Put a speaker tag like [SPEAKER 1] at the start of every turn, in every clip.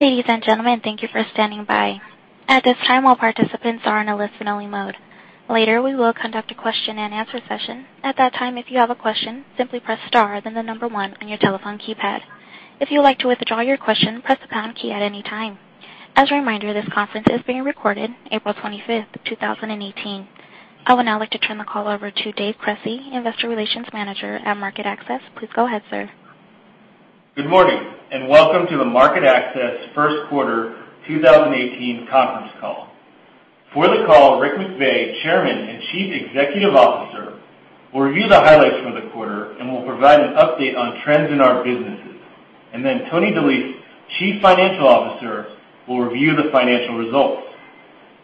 [SPEAKER 1] Ladies and gentlemen, thank you for standing by. At this time, all participants are in a listen-only mode. Later, we will conduct a question-and-answer session. At that time, if you have a question, simply press star, then the number one on your telephone keypad. If you'd like to withdraw your question, press the pound key at any time. As a reminder, this conference is being recorded April 25th, 2018. I would now like to turn the call over to David Cresci, Investor Relations Manager at MarketAxess. Please go ahead, sir.
[SPEAKER 2] Good morning, and welcome to the MarketAxess first quarter 2018 conference call. For the call, Richard McVey, Chairman and Chief Executive Officer, will review the highlights from the quarter and will provide an update on trends in our businesses. Then Tony DeLise, Chief Financial Officer, will review the financial results.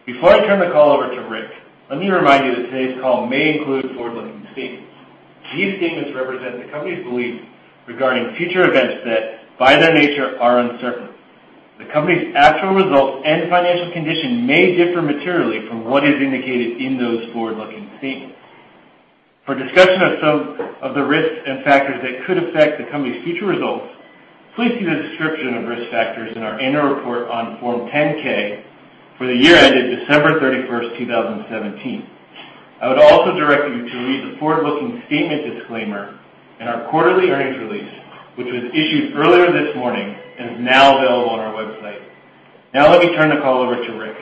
[SPEAKER 2] Before I turn the call over to Rick, let me remind you that today's call may include forward-looking statements. These statements represent the company's belief regarding future events that, by their nature, are uncertain. The company's actual results and financial condition may differ materially from what is indicated in those forward-looking statements. For a discussion of some of the risks and factors that could affect the company's future results, please see the description of risk factors in our annual report on Form 10-K for the year ended December 31st, 2017. I would also direct you to read the forward-looking statement disclaimer in our quarterly earnings release, which was issued earlier this morning and is now available on our website. Let me turn the call over to Rick.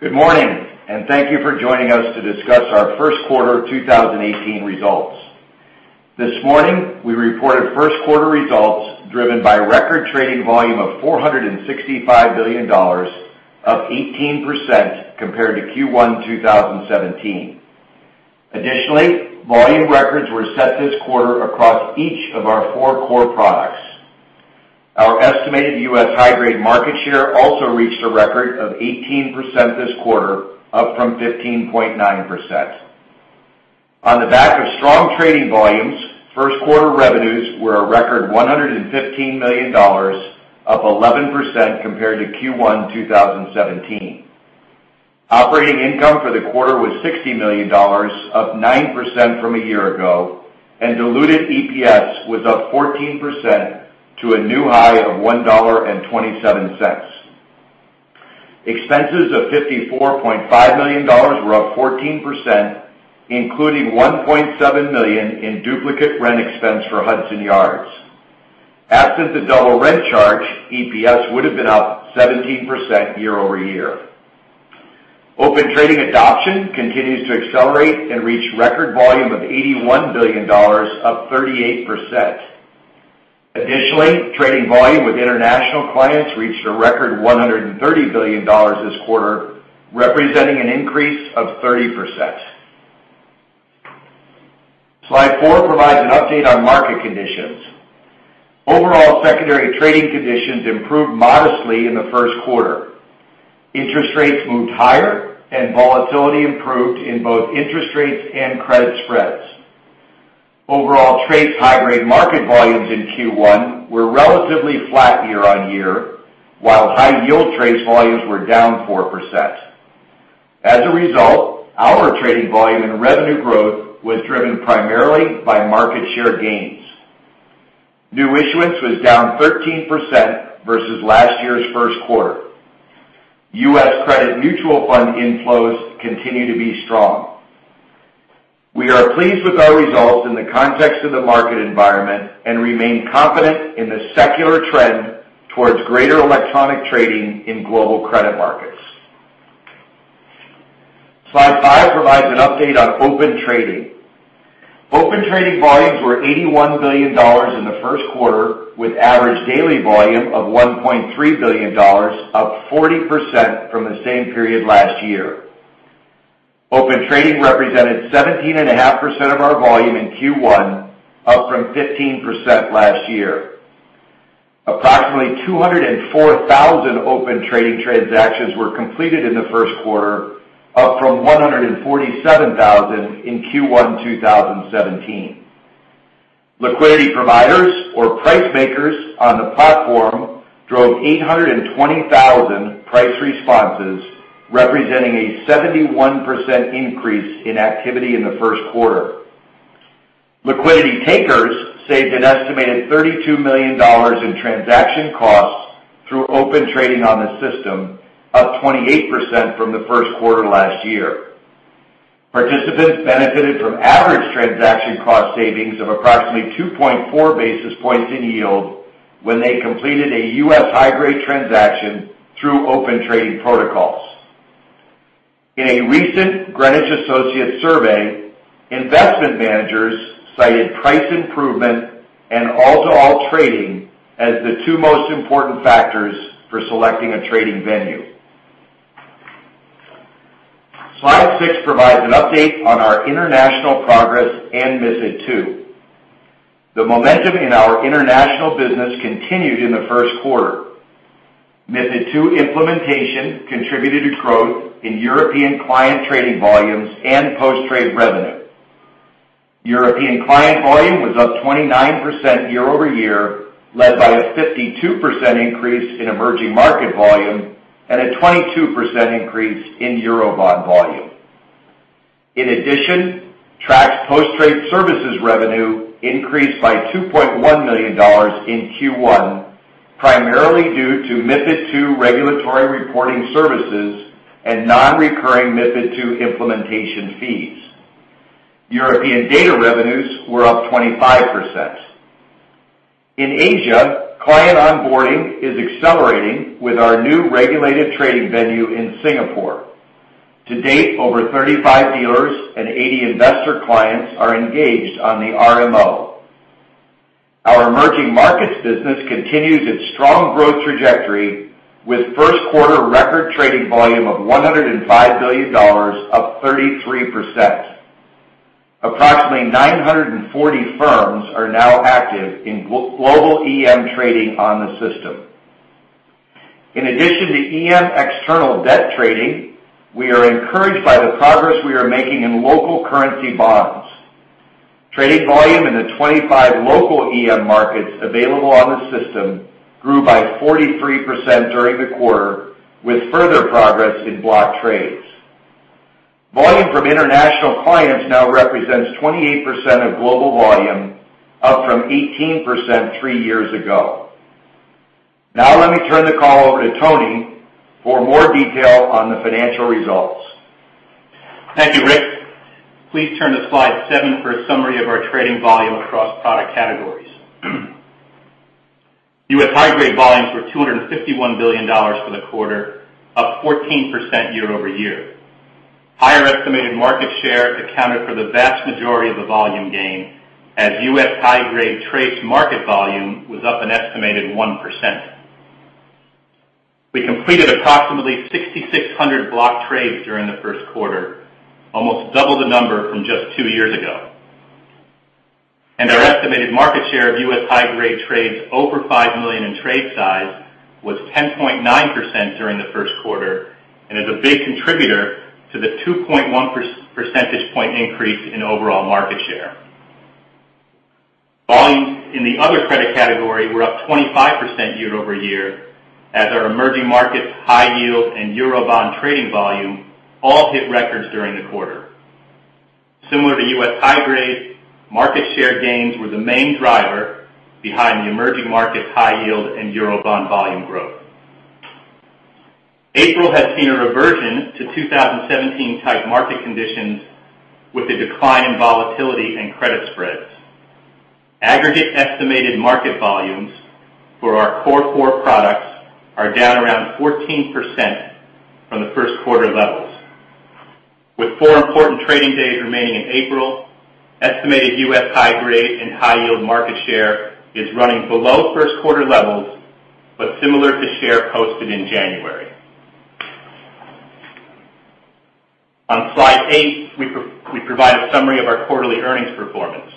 [SPEAKER 3] Good morning, and thank you for joining us to discuss our first quarter 2018 results. This morning, we reported first quarter results driven by record trading volume of $465 billion, up 18% compared to Q1 2017. Volume records were set this quarter across each of our four core products. Our estimated U.S. high-grade market share also reached a record of 18% this quarter, up from 15.9%. On the back of strong trading volumes, first quarter revenues were a record $115 million, up 11% compared to Q1 2017. Operating income for the quarter was $60 million, up 9% from a year ago, diluted EPS was up 14% to a new high of $1.27. Expenses of $54.5 million were up 14%, including $1.7 million in duplicate rent expense for Hudson Yards. Absent the double rent charge, EPS would've been up 17% year-over-year. Open Trading adoption continues to accelerate and reach record volume of $81 billion, up 38%. Additionally, trading volume with international clients reached a record $130 billion this quarter, representing an increase of 30%. Slide four provides an update on market conditions. Overall secondary trading conditions improved modestly in the first quarter. Interest rates moved higher, and volatility improved in both interest rates and credit spreads. Overall high-grade market volumes in Q1 were relatively flat year-over-year, while high yield volumes were down 4%. As a result, our trading volume and revenue growth was driven primarily by market share gains. New issuance was down 13% versus last year's first quarter. U.S. Credit Mutual Fund inflows continue to be strong. We are pleased with our results in the context of the market environment and remain confident in the secular trend towards greater electronic trading in global credit markets. Slide five provides an update on Open Trading. Open Trading volumes were $81 billion in the first quarter, with average daily volume of $1.3 billion, up 40% from the same period last year. Open Trading represented 17.5% of our volume in Q1, up from 15% last year. Approximately 204,000 Open Trading transactions were completed in the first quarter, up from 147,000 in Q1 2017. Liquidity providers or price makers on the platform drove 820,000 price responses, representing a 71% increase in activity in the first quarter. Liquidity takers saved an estimated $32 million in transaction costs through Open Trading on the system, up 28% from the first quarter last year. Participants benefited from average transaction cost savings of approximately 2.4 basis points in yield when they completed a U.S. high-grade transaction through Open Trading protocols. In a recent Greenwich Associates survey, investment managers cited price improvement and all-to-all trading as the two most important factors for selecting a trading venue. Slide six provides an update on our international progress and MiFID II. The momentum in our international business continued in the first quarter. MiFID II implementation contributed to growth in European client trading volumes and post-trade revenue. European client volume was up 29% year-over-year, led by a 52% increase in emerging market volume and a 22% increase in Eurobond volume. In addition, Trax post-trade services revenue increased by $2.1 million in Q1, primarily due to MiFID II regulatory reporting services and non-recurring MiFID II implementation fees. European data revenues were up 25%. In Asia, client onboarding is accelerating with our new regulated trading venue in Singapore. To date, over 35 dealers and 80 investor clients are engaged on the RMO. Our emerging markets business continues its strong growth trajectory, with first quarter record trading volume of $105 billion, up 33%. Approximately 940 firms are now active in global EM trading on the system. In addition to EM external debt trading, we are encouraged by the progress we are making in local currency bonds. Trading volume in the 25 local EM markets available on the system grew by 43% during the quarter, with further progress in block trades. Volume from international clients now represents 28% of global volume, up from 18% three years ago. Now let me turn the call over to Tony for more detail on the financial results.
[SPEAKER 4] Thank you, Rick. Please turn to slide seven for a summary of our trading volume across product categories. U.S. high-grade volumes were $251 billion for the quarter, up 14% year-over-year. Higher estimated market share accounted for the vast majority of the volume gain, as U.S. high-grade trades market volume was up an estimated 1%. We completed approximately 6,600 block trades during the first quarter, almost double the number from just two years ago. Our estimated market share of U.S. high-grade trades over $5 million in trade size was 10.9% during the first quarter, and is a big contributor to the 2.1% percentage point increase in overall market share. Volumes in the other credit category were up 25% year-over-year, as our emerging markets high yield and Eurobond trading volume all hit records during the quarter. Similar to U.S. high grades, market share gains were the main driver behind the emerging markets high yield and Eurobond volume growth. April has seen a reversion to 2017-type market conditions, with a decline in volatility and credit spreads. Aggregate estimated market volumes for our core products are down around 14% from the first quarter levels. With four important trading days remaining in April, estimated U.S. high grade and high-yield market share is running below first quarter levels, but similar to share posted in January. On slide eight, we provide a summary of our quarterly earnings performance.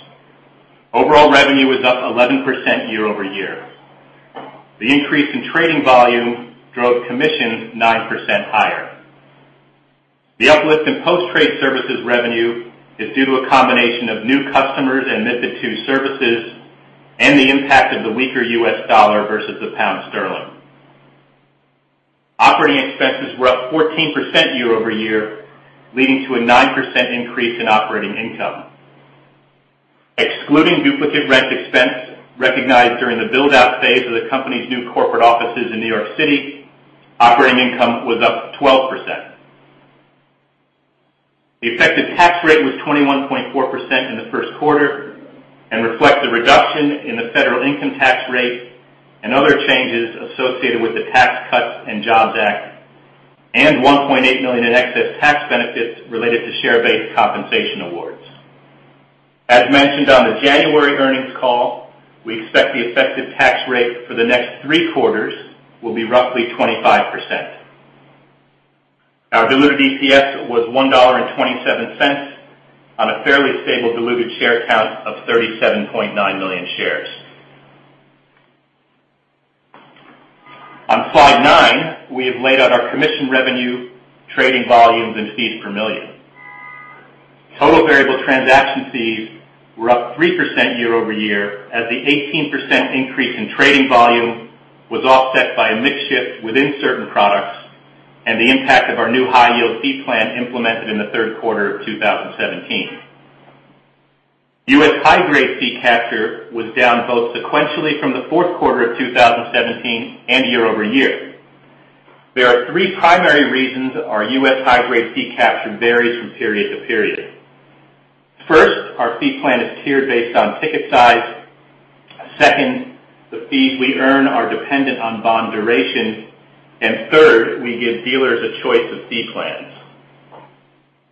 [SPEAKER 4] Overall revenue was up 11% year-over-year. The increase in trading volume drove commissions 9% higher. The uplift in post-trade services revenue is due to a combination of new customers and MiFID II services, and the impact of the weaker U.S. dollar versus the pound sterling. Operating expenses were up 14% year-over-year, leading to a 9% increase in operating income. Excluding duplicate rent expense recognized during the build-out phase of the company's new corporate offices in New York City, operating income was up 12%. The effective tax rate was 21.4% in the first quarter, and reflects a reduction in the federal income tax rate and other changes associated with the Tax Cuts and Jobs Act, and $1.8 million in excess tax benefits related to share-based compensation awards. As mentioned on the January earnings call, we expect the effective tax rate for the next three quarters will be roughly 25%. Our diluted EPS was $1.27 on a fairly stable diluted share count of 37.9 million shares. On slide nine, we have laid out our commission revenue, trading volumes, and fees per million. Total variable transaction fees were up 3% year-over-year, as the 18% increase in trading volume was offset by a mix shift within certain products and the impact of our new high-yield fee plan implemented in the third quarter of 2017. U.S. high-grade fee capture was down both sequentially from the fourth quarter of 2017 and year-over-year. There are three primary reasons our U.S. high-grade fee capture varies from period to period. First, our fee plan is tiered based on ticket size. Second, the fees we earn are dependent on bond duration. Third, we give dealers a choice of fee plans.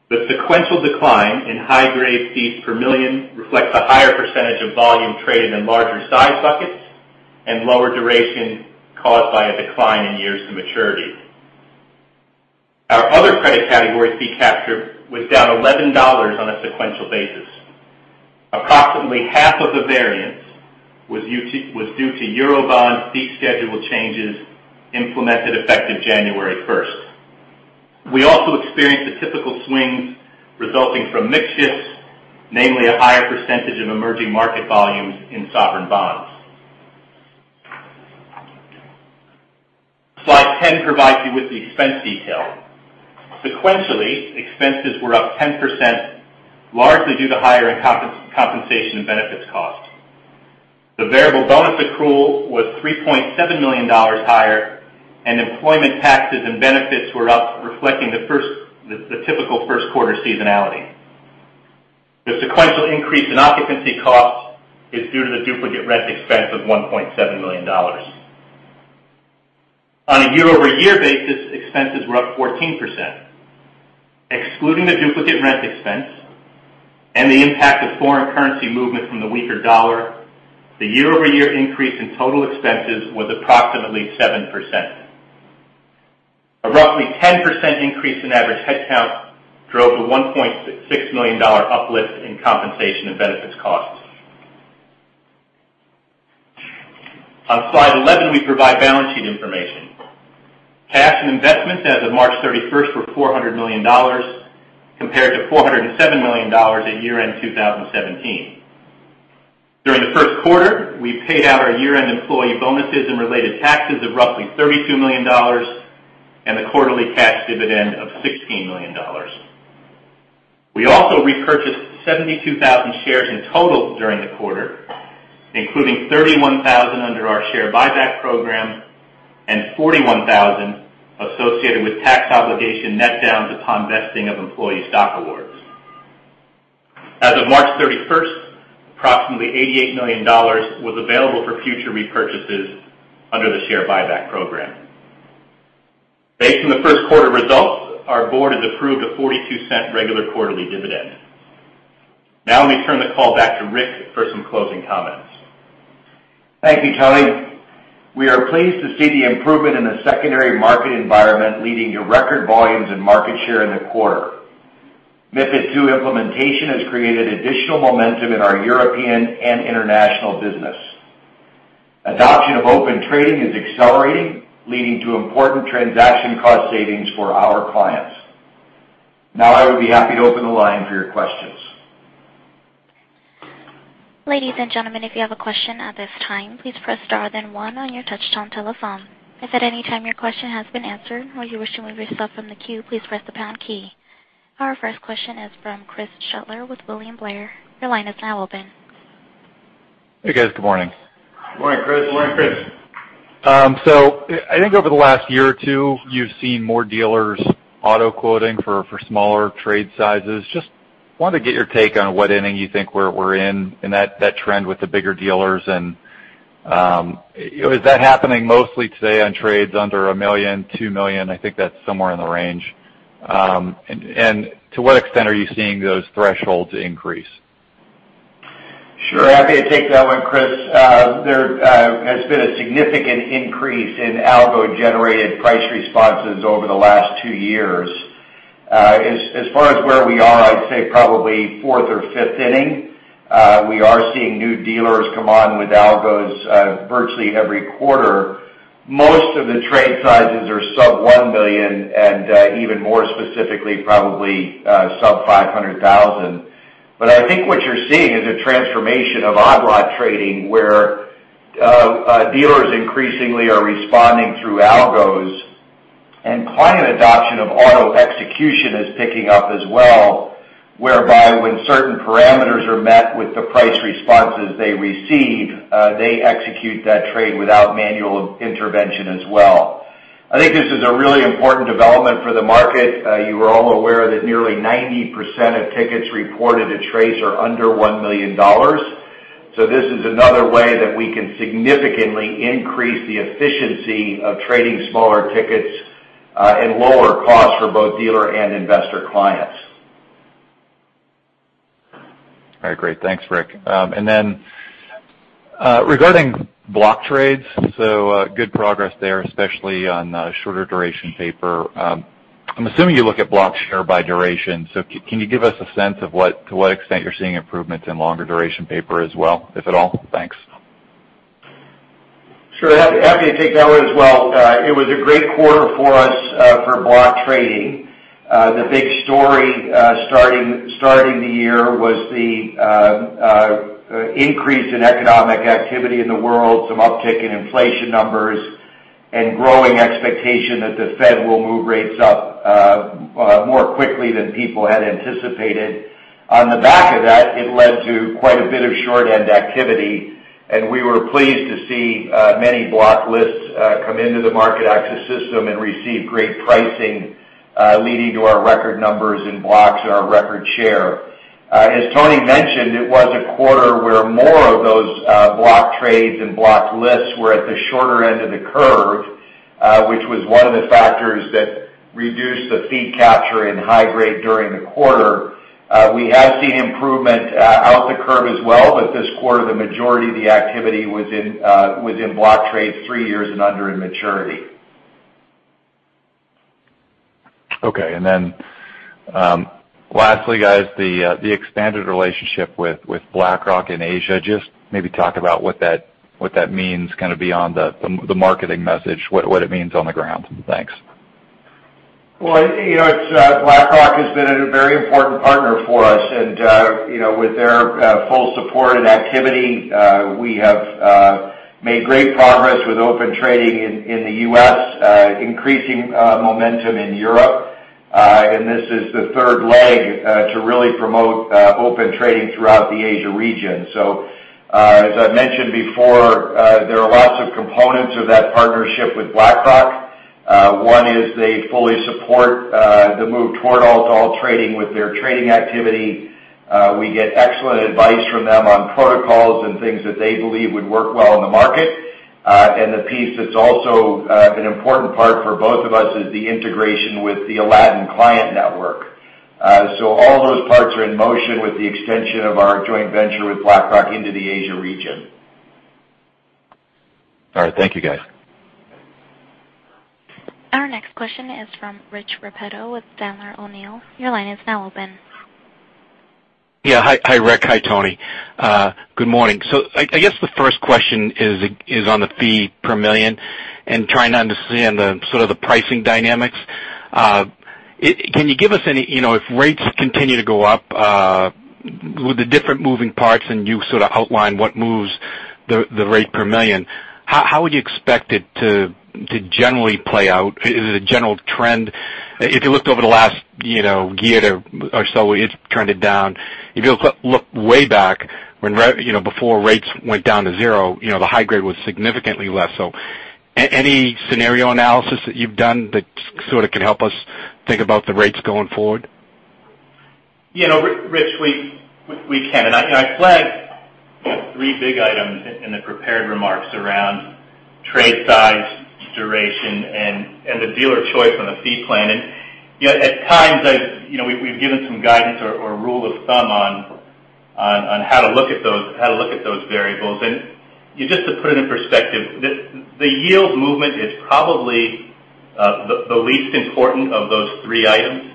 [SPEAKER 4] The sequential decline in high-grade fees per million reflects a higher percentage of volume traded in larger size buckets and lower duration caused by a decline in years to maturity. Our other credit category fee capture was down $11 on a sequential basis. Approximately half of the variance was due to Eurobond fee schedule changes implemented effective January 1st. We also experienced the typical swings resulting from mix shifts, namely a higher percentage of emerging market volumes in sovereign bonds. Slide 10 provides you with the expense detail. Sequentially, expenses were up 10%, largely due to higher compensation and benefits costs. The variable bonus accrual was $3.7 million higher, and employment taxes and benefits were up, reflecting the typical first quarter seasonality. The sequential increase in occupancy costs is due to the duplicate rent expense of $1.7 million. On a year-over-year basis, expenses were up 14%. Excluding the duplicate rent expense and the impact of foreign currency movement from the weaker dollar, the year-over-year increase in total expenses was approximately 7%. A roughly 10% increase in average head count drove a $1.6 million uplift in compensation and benefits costs. On slide 11, we provide balance sheet information. Cash and investments as of March 31st were $400 million, compared to $407 million at year-end 2017. During the first quarter, we paid out our year-end employee bonuses and related taxes of roughly $32 million, and a quarterly cash dividend of $16 million. We also repurchased 72,000 shares in total during the quarter, including 31,000 under our share buyback program, and 41,000 associated with tax obligation net downs upon vesting of employee stock awards. As of March 31st, approximately $88 million was available for future repurchases under the share buyback program. Based on the first quarter results, our board has approved a $0.42 regular quarterly dividend. Let me turn the call back to Rick for some closing comments.
[SPEAKER 3] Thank you, Tony. We are pleased to see the improvement in the secondary market environment, leading to record volumes and market share in the quarter. MiFID II implementation has created additional momentum in our European and international business. Adoption of Open Trading is accelerating, leading to important transaction cost savings for our clients. I would be happy to open the line for your questions.
[SPEAKER 1] Ladies and gentlemen, if you have a question at this time, please press star then one on your touchtone telephone. If at any time your question has been answered, or you're wishing to be yourself from the queue, please press the pound key. Our first question is from Chris Shutler with William Blair. Your line is now open.
[SPEAKER 5] Hey, guys. Good morning.
[SPEAKER 3] Good morning, Chris.
[SPEAKER 4] Morning, Chris.
[SPEAKER 5] I think over the last year or two, you've seen more dealers auto quoting for smaller trade sizes. Just wanted to get your take on what inning you think we're in in that trend with the bigger dealers and is that happening mostly today on trades under $1 million, $2 million? I think that's somewhere in the range. To what extent are you seeing those thresholds increase?
[SPEAKER 3] Sure. Happy to take that one, Chris. There has been a significant increase in algo-generated price responses over the last 2 years. As far as where we are, I'd say probably fourth or fifth inning. We are seeing new dealers come on with algos virtually every quarter. Most of the trade sizes are sub $1 million, and even more specifically, probably sub $500,000. I think what you're seeing is a transformation of odd lot trading, where dealers increasingly are responding through algos, and client adoption of auto execution is picking up as well, whereby when certain parameters are met with the price responses they receive, they execute that trade without manual intervention as well. I think this is a really important development for the market. You are all aware that nearly 90% of tickets reported to TRACE are under $1 million. This is another way that we can significantly increase the efficiency of trading smaller tickets, at lower cost for both dealer and investor clients.
[SPEAKER 5] All right. Great. Thanks, Rick. Regarding block trades, good progress there, especially on shorter duration paper. I'm assuming you look at block share by duration. Can you give us a sense of to what extent you're seeing improvements in longer duration paper as well, if at all? Thanks.
[SPEAKER 3] Sure. Happy to take that one as well. It was a great quarter for us for block trading. The big story starting the year was the increase in economic activity in the world, some uptick in inflation numbers, and growing expectation that the Fed will move rates up more quickly than people had anticipated. On the back of that, it led to quite a bit of short-end activity, and we were pleased to see many block lists come into the MarketAxess system and receive great pricing, leading to our record numbers in blocks and our record share. As Tony mentioned, it was a quarter where more of those block trades and block lists were at the shorter end of the curve, which was one of the factors that reduced the fee capture in high grade during the quarter. We have seen improvement out the curve as well, this quarter, the majority of the activity was in block trades three years and under in maturity.
[SPEAKER 5] Okay. Lastly, guys, the expanded relationship with BlackRock in Asia. Just maybe talk about what that means kind of beyond the marketing message, what it means on the ground. Thanks.
[SPEAKER 4] BlackRock has been a very important partner for us, and with their full support and activity, we have made great progress with Open Trading in the U.S., increasing momentum in Europe. This is the third leg to really promote Open Trading throughout the Asia region. As I mentioned before, there are lots of components of that partnership with BlackRock. One is they fully support the move toward Open Trading with their trading activity. We get excellent advice from them on protocols and things that they believe would work well in the market. The piece that's also an important part for both of us is the integration with the Aladdin client network. All those parts are in motion with the extension of our joint venture with BlackRock into the Asia region.
[SPEAKER 5] All right. Thank you guys.
[SPEAKER 1] Our next question is from Rich Repetto with Sandler O'Neill. Your line is now open.
[SPEAKER 6] Yeah. Hi, Rick. Hi, Tony. Good morning. I guess the first question is on the fee per million and trying to understand the pricing dynamics. If rates continue to go up, with the different moving parts, and you sort of outlined what moves the rate per million, how would you expect it to generally play out? Is it a general trend? If you looked over the last year or so, it's trended down. If you look way back before rates went down to zero, the high grade was significantly less. Any scenario analysis that you've done that sort of can help us think about the rates going forward?
[SPEAKER 4] Rich, we can. I flagged three big items in the prepared remarks around trade size, duration, and the dealer choice on the fee plan. At times, we've given some guidance or rule of thumb on how to look at those variables. Just to put it in perspective, the yield movement is probably the least important of those three items.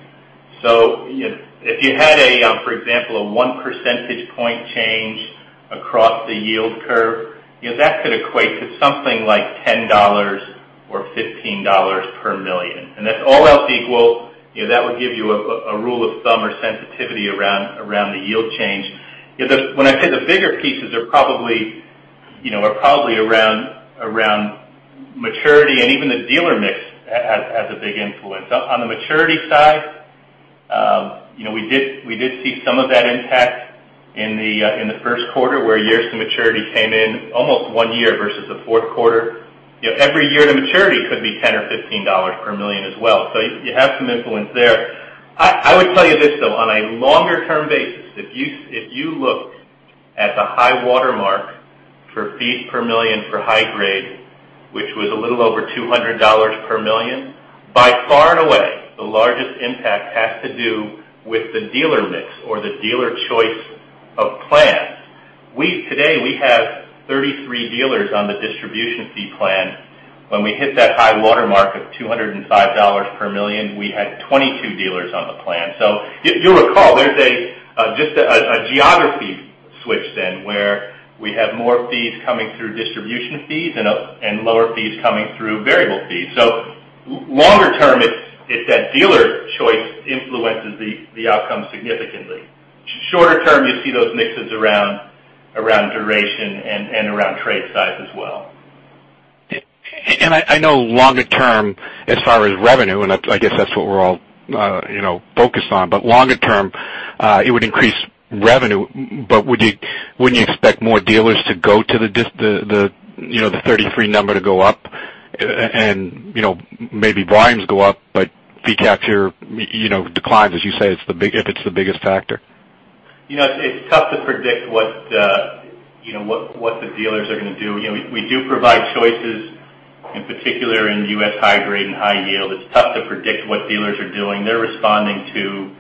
[SPEAKER 4] If you had, for example, a one percentage point change across the yield curve, that could equate to something like $10 or $15 per million. That's all else equal, that would give you a rule of thumb or sensitivity around the yield change. When I say the bigger pieces are probably around maturity and even the dealer mix has a big influence. On the maturity side, we did see some of that impact in the first quarter, where years to maturity came in almost one year versus the fourth quarter. Every year to maturity could be $10 or $15 per million as well. You have some influence there. I would tell you this, though. On a longer-term basis, if you look at the high watermark for fees per million for high grade, which was a little over $200 per million, by far and away, the largest impact has to do with the dealer mix or the dealer choice of plans. Today, we have 33 dealers on the distribution fee plan. When we hit that high watermark of $205 per million, we had 22 dealers on the plan. You'll recall there's just a geography switch then where we have more fees coming through distribution fees and lower fees coming through variable fees. Longer term, it's that dealer choice influences the outcome significantly. Shorter term, you see those mixes around duration and around trade size as well.
[SPEAKER 6] I know longer term as far as revenue, and I guess that's what we're all focused on. Longer term, it would increase revenue. Wouldn't you expect more dealers to go to the 33 number to go up and maybe volumes go up, but fee capture declines, as you say, if it's the biggest factor?
[SPEAKER 4] It's tough to predict what the dealers are going to do. We do provide choices, in particular in U.S. high grade and high yield. It's tough to predict what dealers are doing. They're responding to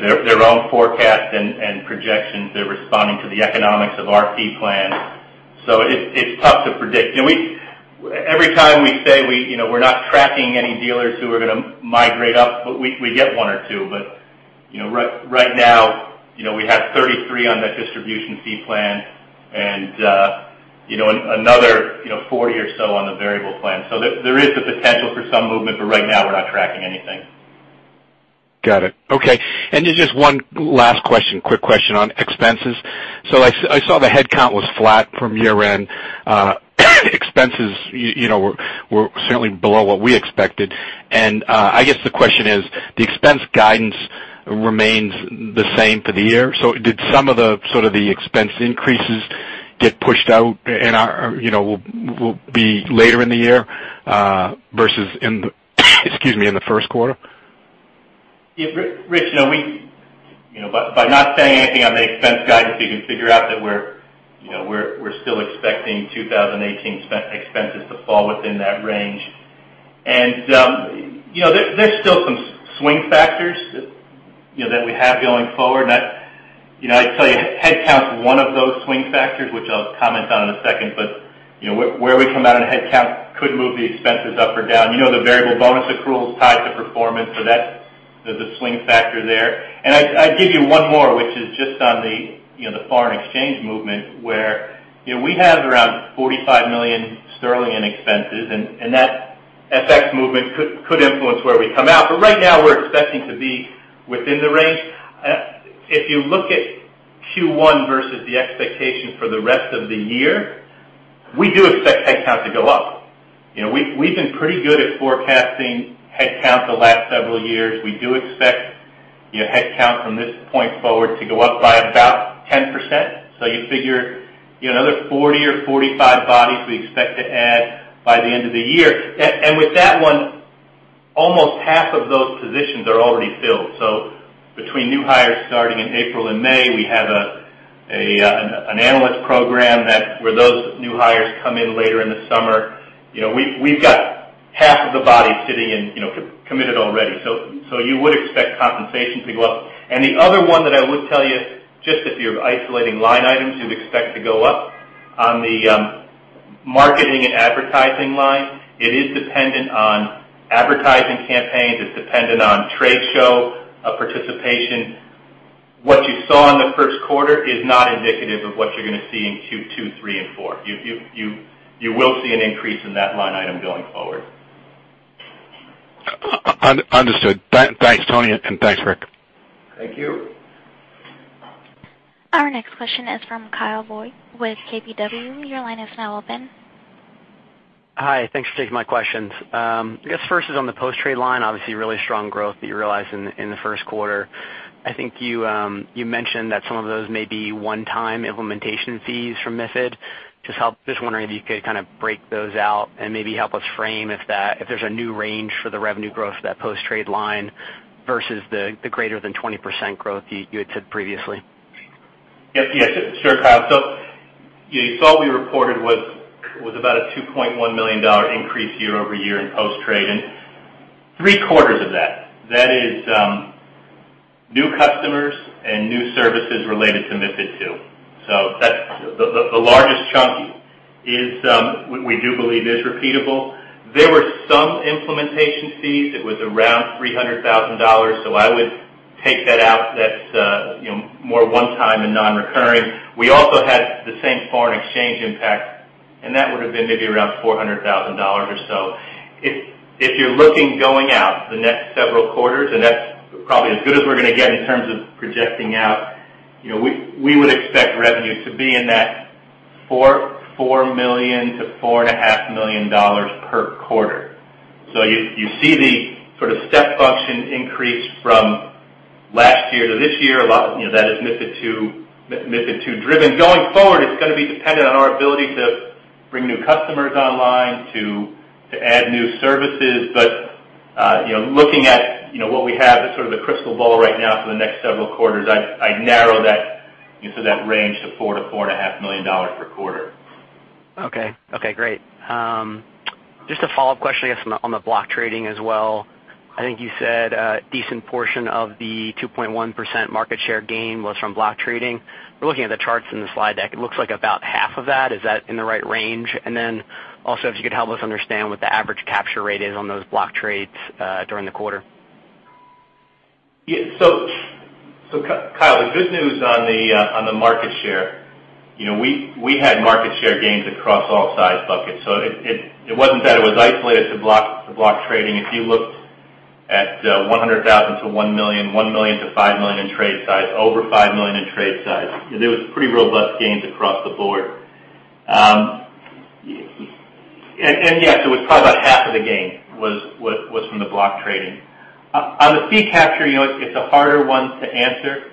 [SPEAKER 4] their own forecast and projections. They're responding to the economics of our fee plan. It's tough to predict. Every time we say we're not tracking any dealers who are going to migrate up, we get one or two. Right now, we have 33 on that distribution fee plan and another 40 or so on the variable plan. There is the potential for some movement. Right now, we're not tracking anything.
[SPEAKER 6] Got it. Okay. Just one last question, quick question on expenses. I saw the headcount was flat from year-end. Expenses were certainly below what we expected. I guess the question is, the expense guidance remains the same for the year? Did some of the expense increases get pushed out and will be later in the year versus in the first quarter?
[SPEAKER 4] Rich, by not saying anything on the expense guidance, you can figure out that we're still expecting 2018 expenses to fall within that range. There's still some swing factors that we have going forward. I'd tell you, headcount's one of those swing factors, which I'll comment on in a second. Where we come out in headcount could move the expenses up or down. You know the variable bonus accruals tied to performance, so there's a swing factor there. I'd give you one more, which is just on the foreign exchange movement, where we have around 45 million sterling in expenses, and that FX movement could influence where we come out. Right now, we're expecting to be within the range. If you look at Q1 versus the expectation for the rest of the year, we do expect headcount to go up. We've been pretty good at forecasting headcount the last several years. We do expect headcount from this point forward to go up by about 10%. You figure another 40 or 45 bodies we expect to add by the end of the year. With that one, almost half of those positions are already filled. Between new hires starting in April and May, we have an analyst program where those new hires come in later in the summer. We've got half of the bodies committed already. You would expect compensation to go up. The other one that I would tell you, just if you're isolating line items you'd expect to go up, on the marketing and advertising line, it is dependent on advertising campaigns. It's dependent on trade show participation. What you saw in the first quarter is not indicative of what you're going to see in Q2, 3, and 4. You will see an increase in that line item going forward.
[SPEAKER 6] Understood. Thanks, Tony. Thanks, Rick.
[SPEAKER 4] Thank you.
[SPEAKER 1] Our next question is from Kyle Voigt with KBW. Your line is now open.
[SPEAKER 7] Hi. Thanks for taking my questions. I guess first is on the post-trade line, obviously, really strong growth that you realized in the first quarter. I think you mentioned that some of those may be one-time implementation fees from MiFID II. Just wondering if you could kind of break those out and maybe help us frame if there's a new range for the revenue growth for that post-trade line versus the greater than 20% growth you had said previously.
[SPEAKER 4] Yes. Sure, Kyle. You saw we reported what was about a $2.1 million increase year-over-year in post-trade, and three-quarters of that is new customers and new services related to MiFID II. The largest chunk we do believe is repeatable. There were some implementation fees. It was around $300,000, so I would take that out. That's more one-time and non-recurring. We also had the same foreign exchange impact, and that would've been maybe around $400,000 or so. If you're looking going out to the next several quarters, and that's probably as good as we're going to get in terms of projecting out, we would expect revenues to be in that $4 million-$4.5 million per quarter. You see the sort of step function increase from last year to this year. A lot that is MiFID II-driven. Going forward, it's going to be dependent on our ability to bring new customers online, to add new services. Looking at what we have as sort of the crystal ball right now for the next several quarters, I'd narrow that into that range to $4 million-$4.5 million per quarter.
[SPEAKER 7] Okay. Great. Just a follow-up question, I guess, on the block trading as well. I think you said a decent portion of the 2.1% market share gain was from block trading. We're looking at the charts in the slide deck. It looks like about half of that. Is that in the right range? Also, if you could help us understand what the average capture rate is on those block trades during the quarter.
[SPEAKER 4] Kyle, the good news on the market share, we had market share gains across all size buckets, so it wasn't that it was isolated to block trading. If you looked at $100,000-$1 million, $1 million-$5 million in trade size, over $5 million in trade size, there was pretty robust gains across the board. Yes, it was probably about half of the gain was from the block trading. On the fee capture, it's a harder one to answer.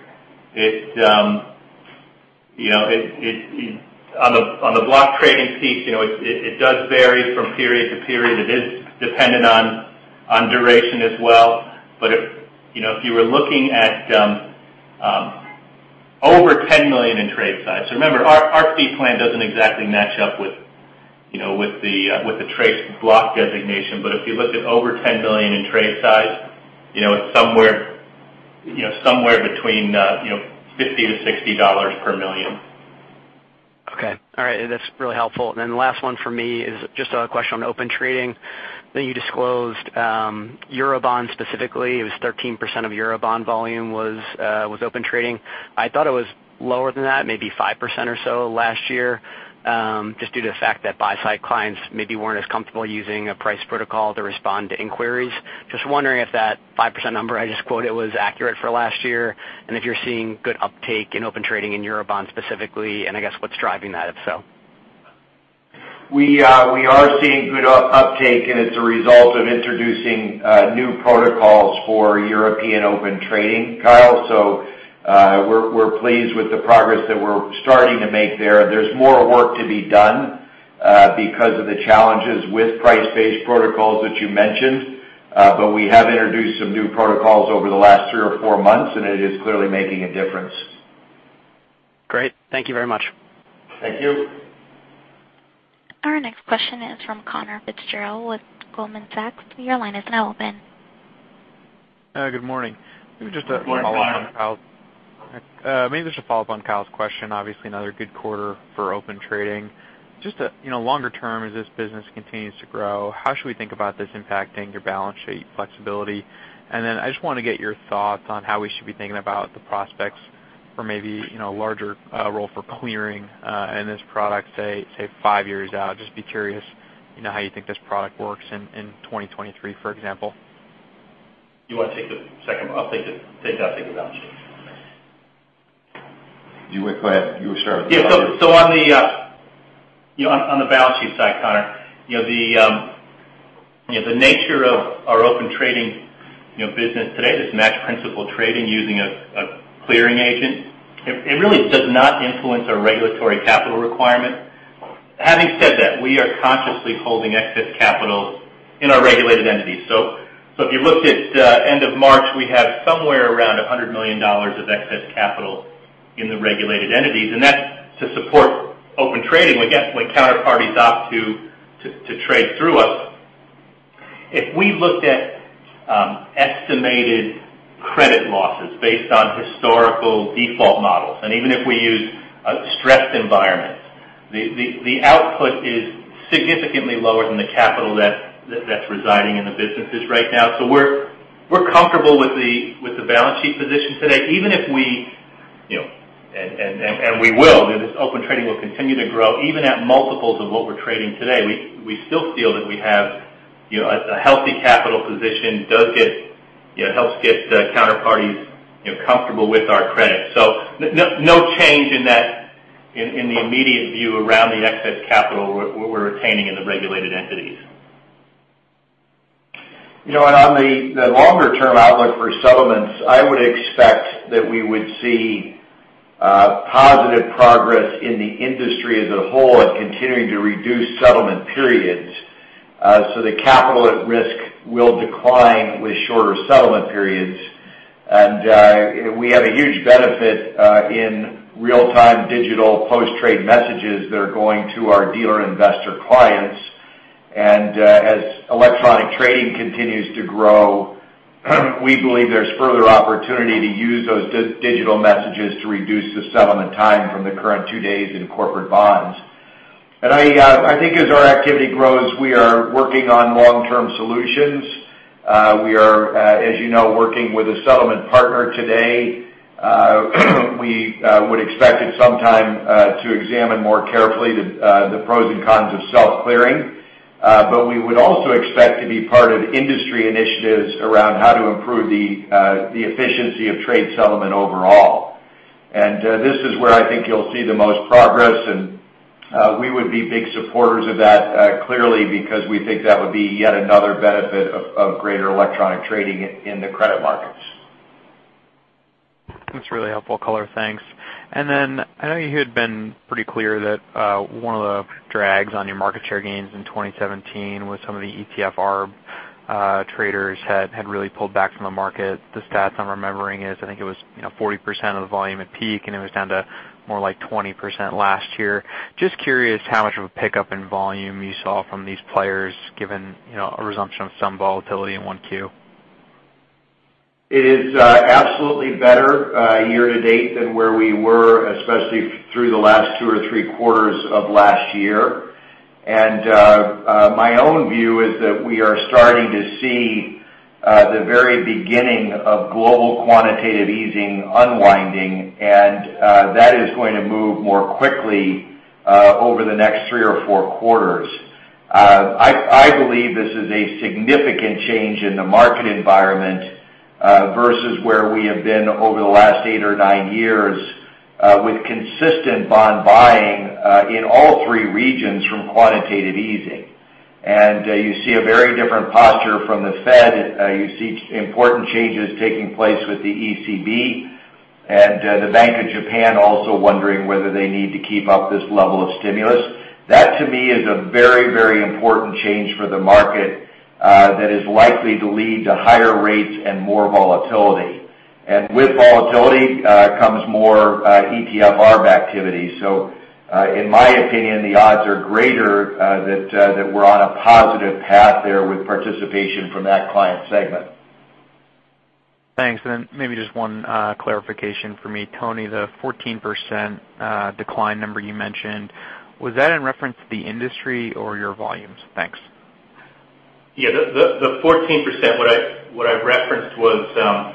[SPEAKER 4] On the block trading fees, it does vary from period to period. It is dependent on duration as well. If you were looking at over $10 million in trade size, remember, our fee plan doesn't exactly match up with the trade block designation. If you looked at over $10 million in trade size, it's somewhere between $50-$60 per million.
[SPEAKER 7] Okay. All right. That's really helpful. The last one from me is just a question on Open Trading. I know you disclosed Eurobond specifically. It was 13% of Eurobond volume was Open Trading. I thought it was lower than that, maybe 5% or so last year, just due to the fact that buy side clients maybe weren't as comfortable using a price protocol to respond to inquiries. Just wondering if that 5% number I just quoted was accurate for last year, and if you're seeing good uptake in Open Trading in Eurobond specifically, I guess what's driving that, if so.
[SPEAKER 4] We are seeing good uptake, and it's a result of introducing new protocols for European Open Trading, Kyle. We're pleased with the progress that we're starting to make there. There's more work to be done because of the challenges with price-based protocols that you mentioned. We have introduced some new protocols over the last three or four months, and it is clearly making a difference.
[SPEAKER 7] Great. Thank you very much.
[SPEAKER 4] Thank you.
[SPEAKER 1] Our next question is from Conor Fitzgerald with Goldman Sachs. Your line is now open.
[SPEAKER 8] Good morning. Maybe just a follow-up on Kyle's question. Obviously, another good quarter for Open Trading. Just longer term, as this business continues to grow, how should we think about this impacting your balance sheet flexibility? I just want to get your thoughts on how we should be thinking about the prospects for maybe a larger role for clearing in this product, say, five years out. Just be curious, how you think this product works in 2023, for example.
[SPEAKER 4] You want to take the second? I'll take the balance sheet.
[SPEAKER 3] You go ahead. You start.
[SPEAKER 4] Yeah. On the balance sheet side, Conor, the nature of our Open Trading business today is matched principal trading using a clearing agent. It really does not influence our regulatory capital requirement. Having said that, we are consciously holding excess capital in our regulated entities. If you looked at end of March, we have somewhere around $100 million of excess capital in the regulated entities, and that's to support Open Trading when counterparties opt to trade through us. If we looked at estimated credit losses based on historical default models, and even if we use a stressed environment, the output is significantly lower than the capital that's residing in the businesses right now. We're comfortable with the balance sheet position today. Even if we, and we will, this Open Trading will continue to grow, even at multiples of what we're trading today, we still feel that we have a healthy capital position, helps get counterparties comfortable with our credit. No change in the immediate view around the excess capital we're retaining in the regulated entities.
[SPEAKER 3] On the longer-term outlook for settlements, I would expect that we would see positive progress in the industry as a whole and continuing to reduce settlement periods. The capital at risk will decline with shorter settlement periods. We have a huge benefit in real-time digital post-trade messages that are going to our dealer investor clients. As electronic trading continues to grow, we believe there's further opportunity to use those digital messages to reduce the settlement time from the current two days in corporate bonds. I think as our activity grows, we are working on long-term solutions. We are, as you know, working with a settlement partner today. We would expect at some time to examine more carefully the pros and cons of self-clearing. We would also expect to be part of industry initiatives around how to improve the efficiency of trade settlement overall. This is where I think you'll see the most progress, and we would be big supporters of that, clearly, because we think that would be yet another benefit of greater electronic trading in the credit markets.
[SPEAKER 8] That's really helpful color. Thanks. I know you had been pretty clear that one of the drags on your market share gains in 2017 was some of the ETF arb traders had really pulled back from the market. The stats I'm remembering is I think it was 40% of the volume at peak, and it was down to more like 20% last year. Just curious how much of a pickup in volume you saw from these players given a resumption of some volatility in 1Q.
[SPEAKER 3] It is absolutely better year to date than where we were, especially through the last two or three quarters of last year. My own view is that we are starting to see the very beginning of global quantitative easing unwinding, and that is going to move more quickly over the next three or four quarters. I believe this is a significant change in the market environment versus where we have been over the last eight or nine years with consistent bond buying in all three regions from quantitative easing. You see a very different posture from the Fed. You see important changes taking place with the ECB and the Bank of Japan also wondering whether they need to keep up this level of stimulus. That to me is a very, very important change for the market that is likely to lead to higher rates and more volatility. With volatility comes more ETF arb activity. In my opinion, the odds are greater that we're on a positive path there with participation from that client segment.
[SPEAKER 8] Thanks. Maybe just one clarification for me. Tony, the 14% decline number you mentioned, was that in reference to the industry or your volumes? Thanks.
[SPEAKER 4] Yeah. The 14%, what I referenced was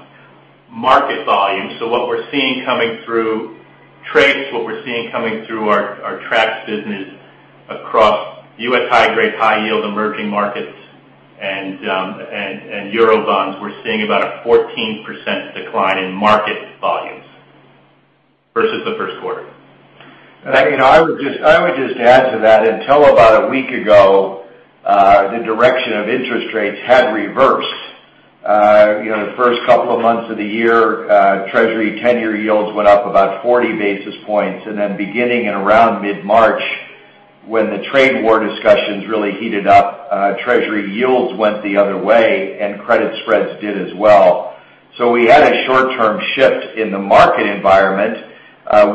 [SPEAKER 4] market volume. What we're seeing coming through TRACE, what we're seeing coming through our Trax business across U.S. high grade, high yield emerging markets and Euro bonds, we're seeing about a 14% decline in market volumes versus the first quarter.
[SPEAKER 3] I would just add to that, until about a week ago, the direction of interest rates had reversed. The first couple of months of the year, treasury 10-year yields went up about 40 basis points. Beginning in around mid-March, when the trade war discussions really heated up, treasury yields went the other way, and credit spreads did as well. We had a short-term shift in the market environment,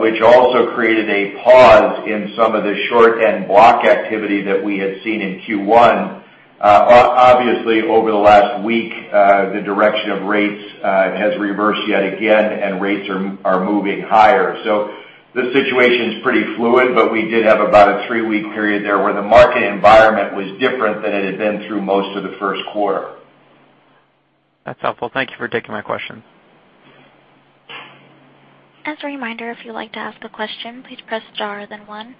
[SPEAKER 3] which also created a pause in some of the short-end block activity that we had seen in Q1. Obviously, over the last week, the direction of rates has reversed yet again. Rates are moving higher. The situation's pretty fluid, but we did have about a three-week period there where the market environment was different than it had been through most of the first quarter.
[SPEAKER 8] That's helpful. Thank you for taking my question.
[SPEAKER 1] As a reminder, if you'd like to ask a question, please press star, then one.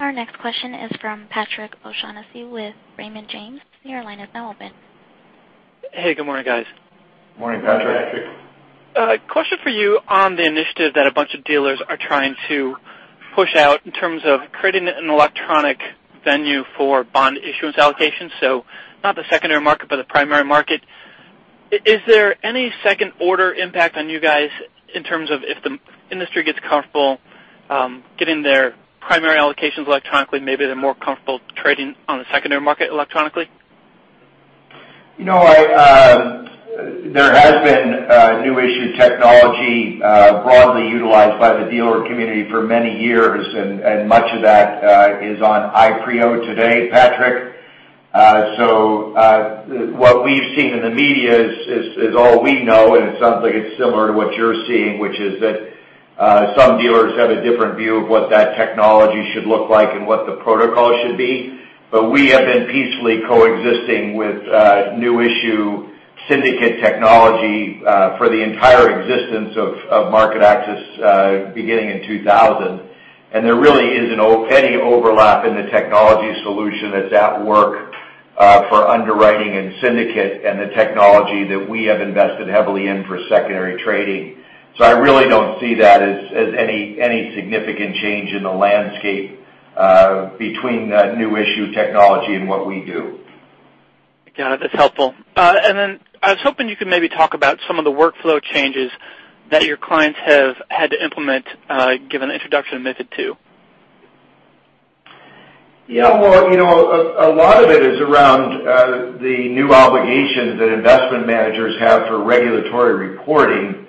[SPEAKER 1] Our next question is from Patrick O'Shaughnessy with Raymond James. Your line is now open.
[SPEAKER 9] Hey, good morning, guys.
[SPEAKER 3] Morning, Patrick.
[SPEAKER 4] Morning, Patrick.
[SPEAKER 9] A question for you on the initiative that a bunch of dealers are trying to push out in terms of creating an electronic venue for bond issuance allocation, so not the secondary market, but the primary market. Is there any second-order impact on you guys in terms of if the industry gets comfortable getting their primary allocations electronically, maybe they're more comfortable trading on the secondary market electronically?
[SPEAKER 3] There has been new issue technology broadly utilized by the dealer community for many years, much of that is on Ipreo today, Patrick. What we've seen in the media is all we know, and it sounds like it's similar to what you're seeing, which is that some dealers have a different view of what that technology should look like and what the protocol should be. We have been peacefully coexisting with new issue syndicate technology for the entire existence of MarketAxess, beginning in 2000. There really isn't any overlap in the technology solution that's at work for underwriting and syndicate and the technology that we have invested heavily in for secondary trading. I really don't see that as any significant change in the landscape between new issue technology and what we do.
[SPEAKER 9] Got it. That's helpful. Then I was hoping you could maybe talk about some of the workflow changes that your clients have had to implement given the introduction of MiFID II.
[SPEAKER 3] Well, a lot of it is around the new obligations that investment managers have for regulatory reporting.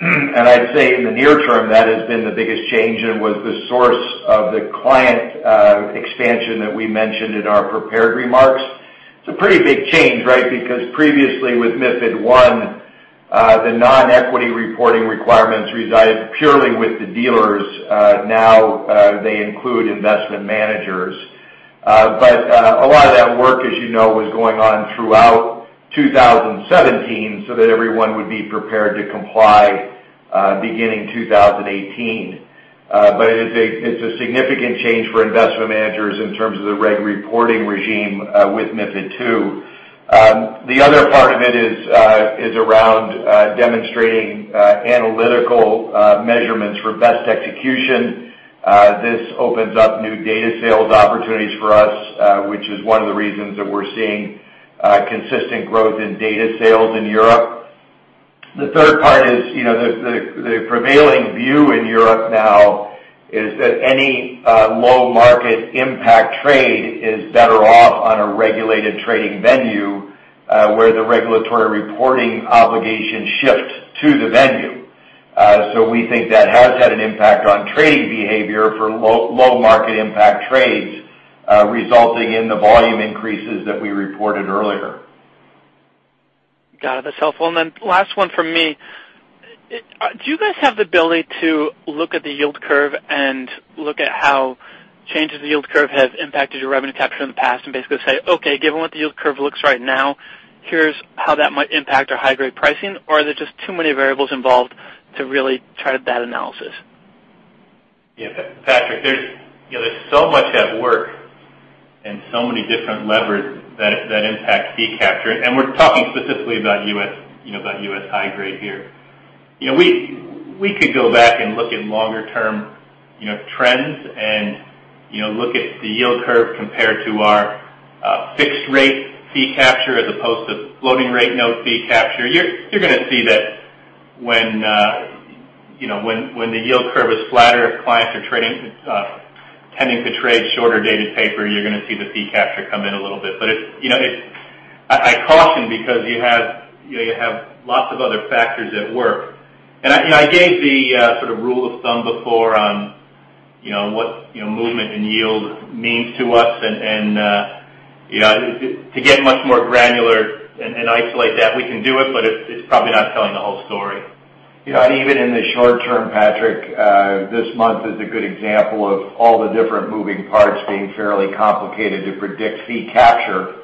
[SPEAKER 3] I'd say in the near term, that has been the biggest change and was the source of the client expansion that we mentioned in our prepared remarks. It's a pretty big change, because previously with MiFID I, the non-equity reporting requirements resided purely with the dealers. Now, they include investment managers. A lot of that work, as you know, was going on throughout 2017 so that everyone would be prepared to comply beginning 2018. It's a significant change for investment managers in terms of the reg reporting regime with MiFID II. The other part of it is around demonstrating analytical measurements for best execution. This opens up new data sales opportunities for us, which is one of the reasons that we're seeing consistent growth in data sales in Europe. The third part is the prevailing view in Europe now is that any low-market impact trade is better off on a regulated trading venue where the regulatory reporting obligation shifts to the venue. We think that has had an impact on trading behavior for low-market impact trades, resulting in the volume increases that we reported earlier.
[SPEAKER 9] Got it. That's helpful. Then last one from me. Do you guys have the ability to look at the yield curve and look at how changes in the yield curve have impacted your revenue capture in the past and basically say, "Okay, given what the yield curve looks right now, here's how that might impact our high-grade pricing"? Are there just too many variables involved to really chart that analysis?
[SPEAKER 4] Patrick, there's so much at work and so many different levers that impact fee capture, and we're talking specifically about U.S. high grade here. We could go back and look at longer-term trends and look at the yield curve compared to our fixed rate fee capture as opposed to floating rate note fee capture. You're going to see that when the yield curve is flatter, if clients are tending to trade shorter-dated paper, you're going to see the fee capture come in a little bit. I caution because you have lots of other factors at work. I gave the sort of rule of thumb before on what movement in yield means to us. To get much more granular and isolate that, we can do it, but it's probably not telling the whole story.
[SPEAKER 3] Even in the short term, Patrick, this month is a good example of all the different moving parts being fairly complicated to predict fee capture,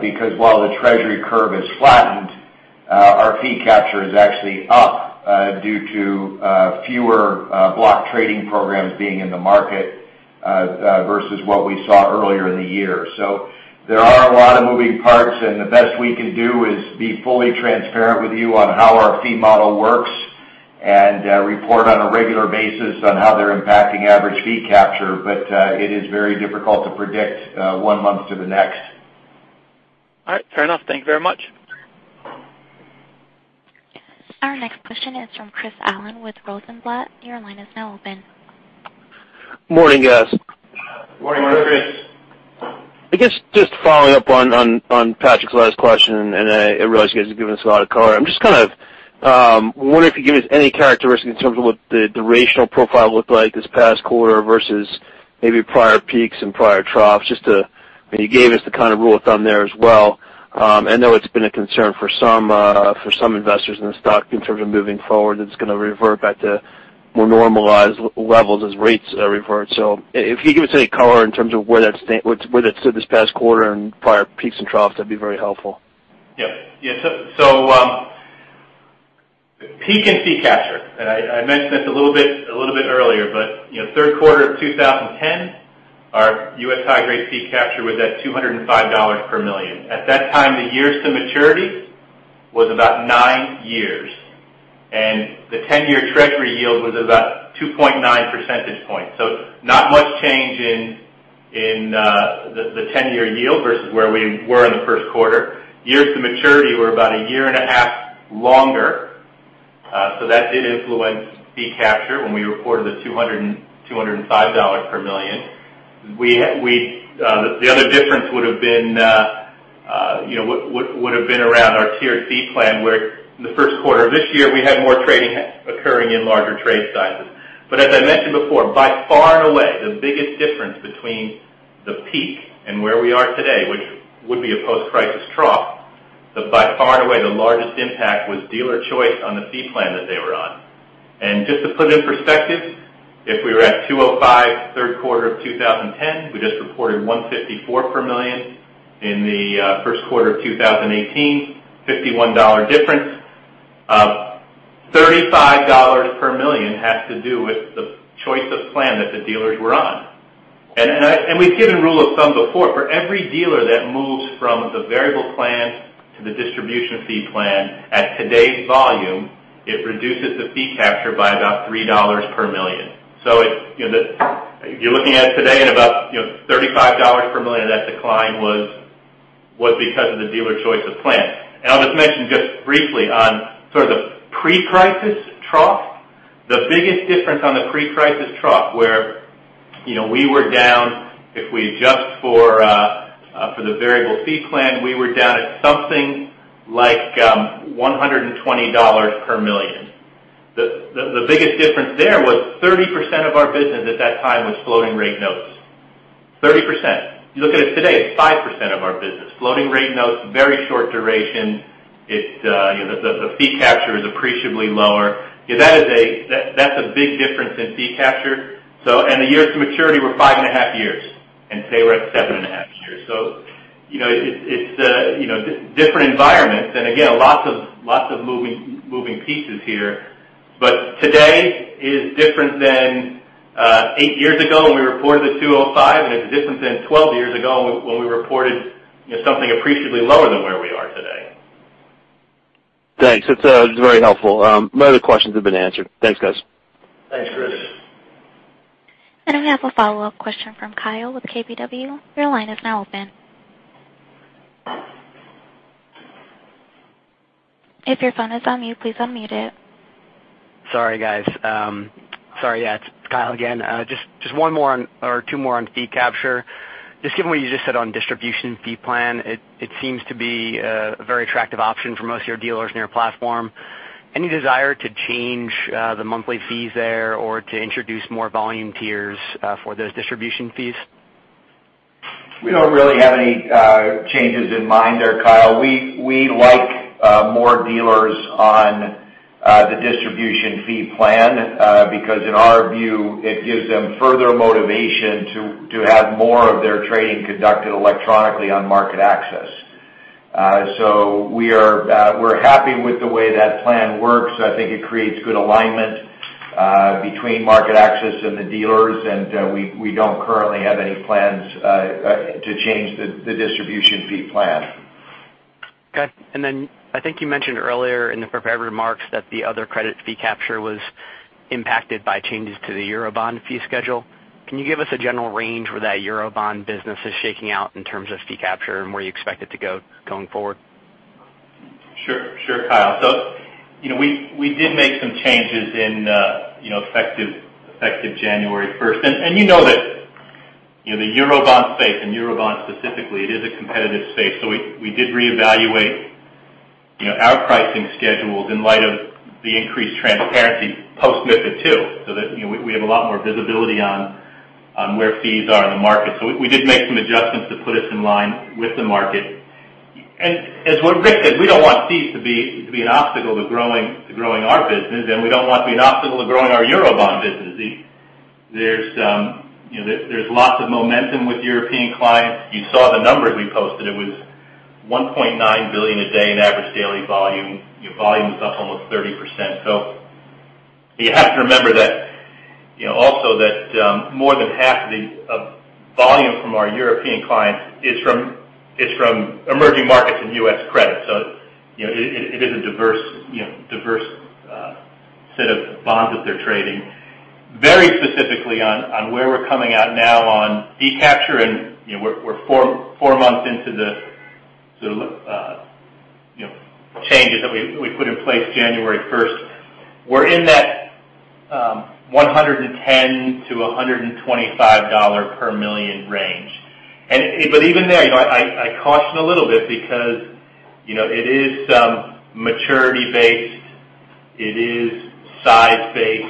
[SPEAKER 3] because while the treasury curve is flattened, our fee capture is actually up due to fewer block trading programs being in the market versus what we saw earlier in the year. There are a lot of moving parts, and the best we can do is be fully transparent with you on how our fee model works and report on a regular basis on how they're impacting average fee capture. It is very difficult to predict one month to the next.
[SPEAKER 9] All right. Fair enough. Thank you very much.
[SPEAKER 1] Our next question is from Chris Allen with Rosenblatt. Your line is now open.
[SPEAKER 10] Morning, guys.
[SPEAKER 3] Morning, Chris.
[SPEAKER 4] Morning.
[SPEAKER 10] I guess just following up on Patrick's last question, I realize you guys have given us a lot of color. I'm just I wonder if you could give us any characteristics in terms of what the durational profile looked like this past quarter versus maybe prior peaks and prior troughs. I mean, you gave us the kind of rule of thumb there as well. I know it's been a concern for some investors in the stock in terms of moving forward, it's going to revert back to more normalized levels as rates revert. If you could give us any color in terms of where that stood this past quarter and prior peaks and troughs, that'd be very helpful.
[SPEAKER 4] Yeah. Peak and fee capture, I mentioned this a little bit earlier, third quarter of 2010, our U.S. high grade fee capture was at $205 per million. At that time, the years to maturity was about nine years, and the 10-year treasury yield was about 2.9 percentage points. Not much change in the 10-year yield versus where we were in the first quarter. Years to maturity were about a year and a half longer. That did influence fee capture when we reported the $205 per million. The other difference would've been around our tiered fee plan, where in the first quarter of this year, we had more trading occurring in larger trade sizes. As I mentioned before, by far and away, the biggest difference between the peak and where we are today, which would be a post-crisis trough, but by far and away the largest impact was dealer choice on the fee plan that they were on. Just to put it in perspective, if we were at 205 third quarter of 2010, we just reported $154 per million in the first quarter of 2018, $51 difference. $35 per million has to do with the choice of plan that the dealers were on. We've given rule of thumb before. For every dealer that moves from the variable plan to the distribution fee plan at today's volume, it reduces the fee capture by about $3 per million. If you're looking at it today at about $35 per million, that decline was because of the dealer choice of plan. I'll just mention just briefly on sort of the pre-crisis trough. The biggest difference on the pre-crisis trough where we were down, if we adjust for the variable fee plan, we were down at something like $120 per million. The biggest difference there was 30% of our business at that time was floating rate notes. 30%. You look at it today, it's 5% of our business. Floating rate notes, very short duration. The fee capture is appreciably lower. That's a big difference in fee capture. And the years to maturity were five and a half years, and today we're at seven and a half years. It's a different environment. Again, lots of moving pieces here, but today is different than eight years ago when we reported the 205, and it's different than 12 years ago when we reported something appreciably lower than where we are today.
[SPEAKER 10] Thanks. It's very helpful. My other questions have been answered. Thanks, guys.
[SPEAKER 4] Thanks, Chris.
[SPEAKER 1] We have a follow-up question from Kyle with KBW. Your line is now open. If your phone is on mute, please unmute it.
[SPEAKER 7] Sorry, guys. Sorry, yeah, it's Kyle again. Two more on fee capture. Given what you just said on distribution fee plan, it seems to be a very attractive option for most of your dealers in your platform. Any desire to change the monthly fees there or to introduce more volume tiers for those distribution fees?
[SPEAKER 4] We don't really have any changes in mind there, Kyle. We like more dealers on the distribution fee plan, because in our view, it gives them further motivation to have more of their trading conducted electronically on MarketAxess. We're happy with the way that plan works. I think it creates good alignment between MarketAxess and the dealers, we don't currently have any plans to change the distribution fee plan.
[SPEAKER 7] Okay. I think you mentioned earlier in the prepared remarks that the other credit fee capture was impacted by changes to the Eurobond fee schedule. Can you give us a general range where that Eurobond business is shaking out in terms of fee capture and where you expect it to go going forward?
[SPEAKER 4] Sure, Kyle. We did make some changes effective January 1st. You know that the Eurobond space and Eurobond specifically, it is a competitive space. We did reevaluate our pricing schedules in light of the increased transparency post-MiFID II, that we have a lot more visibility on where fees are in the market. We did make some adjustments to put us in line with the market. As what Rick said, we don't want fees to be an obstacle to growing our business, and we don't want it to be an obstacle to growing our Eurobond business. There's lots of momentum with European clients. You saw the numbers we posted. It was $1.9 billion a day in average daily volume. Volume was up almost 30%. You have to remember also that more than half of the volume from our European clients is from emerging markets in U.S. credit. It is a diverse set of bonds that they're trading. Very specifically on where we're coming out now on fee capture, and we're 4 months into the changes that we put in place January 1st. We're in that $110-$125 per million range. Even there, I caution a little bit because it is maturity based. It is size based.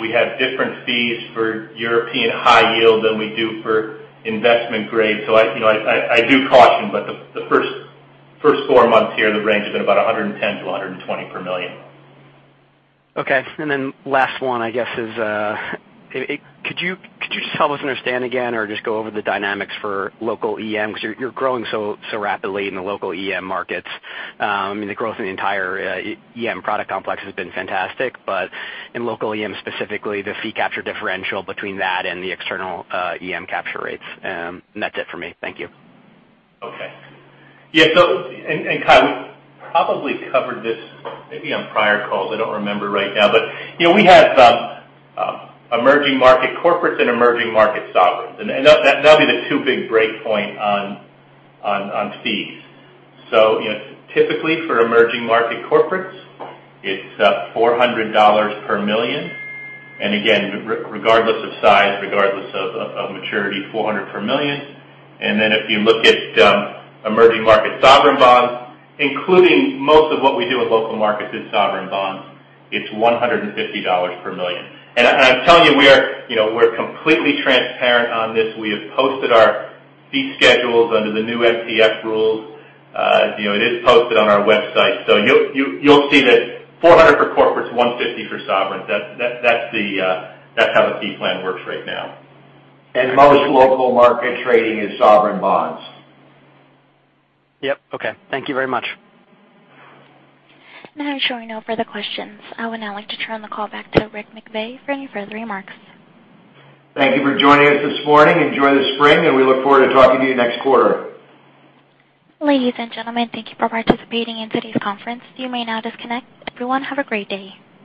[SPEAKER 4] We have different fees for European high yield than we do for investment grade. I do caution, the first 4 months here, the range has been about $110-$120 per million.
[SPEAKER 7] Okay. Last one, I guess is, could you just help us understand again or just go over the dynamics for local EM? Because you're growing so rapidly in the local EM markets. The growth in the entire EM product complex has been fantastic. In local EM, specifically, the fee capture differential between that and the external EM capture rates. That's it for me. Thank you.
[SPEAKER 4] Okay. Yeah, Kyle, we probably covered this maybe on prior calls. I don't remember right now, we have emerging market corporates and emerging market sovereigns, and that'll be the 2 big break point on fees. Typically for emerging market corporates, it's $400 per million. Again, regardless of size, regardless of maturity, $400 per million. Then if you look at emerging market sovereign bonds, including most of what we do with local markets is sovereign bonds, it's $150 per million. I'm telling you, we're completely transparent on this. We have posted our fee schedules under the new MTF rules. It is posted on our website. You'll see that $400 for corporates, $150 for sovereigns. That's how the fee plan works right now.
[SPEAKER 3] Most local market trading is sovereign bonds.
[SPEAKER 7] Yep. Okay. Thank you very much.
[SPEAKER 1] I am showing no further questions. I would now like to turn the call back to Richard McVey for any further remarks.
[SPEAKER 3] Thank you for joining us this morning. Enjoy the spring, and we look forward to talking to you next quarter.
[SPEAKER 1] Ladies and gentlemen, thank you for participating in today's conference. You may now disconnect. Everyone, have a great day.